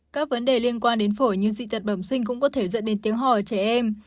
các vấn đề liên quan đến phổi như dị tật bẩm sinh cũng có thể dẫn đến tiếng hò ở trẻ em